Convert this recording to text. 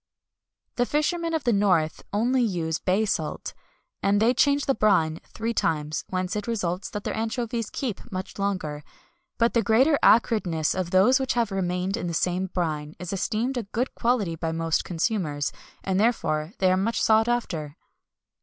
The fishermen of the north only use bay salt, and they change the brine three times, whence it results that their anchovies keep much longer; but the greater acridness of those which have remained in the same brine is esteemed a good quality by most consumers, and therefore they are more sought after.